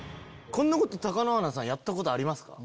こんなことやったことあります？